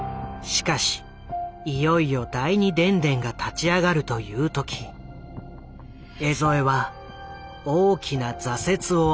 しかしいよいよ第二電電が立ち上がるという時江副は大きな挫折を味わう。